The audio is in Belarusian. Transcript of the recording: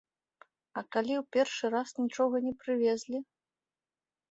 А калі ў першы раз нічога не прывезлі?